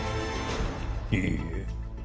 いいえ。